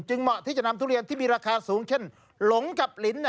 เหมาะที่จะนำทุเรียนที่มีราคาสูงเช่นหลงกับลิ้น